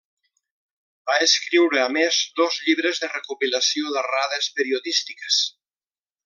Va escriure, a més, dos llibres de recopilació d'errades periodístiques.